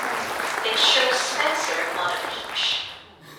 It shows Spencer on a beach.